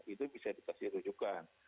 itu bisa dikasih rujukan